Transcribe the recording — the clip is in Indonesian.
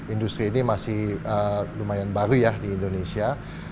industri ini masih lumayan baru ya di indonesia